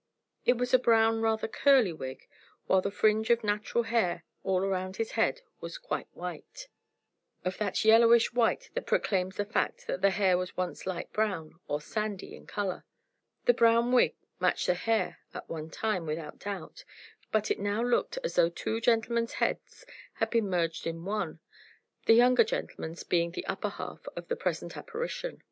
It was a brown, rather curly wig, while the fringe of natural hair all around his head was quite white of that yellowish white that proclaims the fact that the hair was once light brown, or sandy in color. The brown wig matched the hair at one time, without doubt; but it now looked as though two gentlemen's heads had been merged in one the younger gentleman's being the upper half of the present apparition.